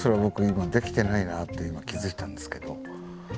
今できてないなって今気付いたんですけど。